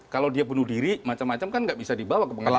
kalau dia bunuh diri macam macam kan nggak bisa dibawa ke pengadilan